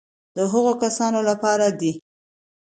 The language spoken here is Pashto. د هغو کسانو لپاره دي.